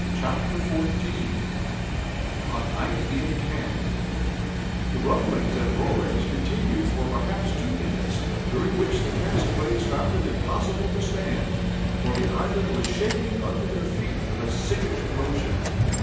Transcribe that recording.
CHAPTER XIV A NIGHT IN CAMP The rumbling and roaring continued for perhaps two minutes, during which time the castaways found it impossible to stand, for the island was shaking under their feet with a sickening motion.